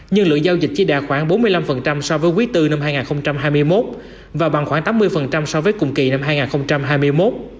nhưng lượng giao dịch chỉ đạt khoảng bốn mươi năm so với quý iv năm hai nghìn hai mươi một và bằng khoảng tám mươi so với cùng kỳ năm hai nghìn hai mươi một